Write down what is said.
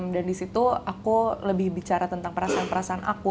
dan di situ aku lebih bicara tentang perasaan perasaan aku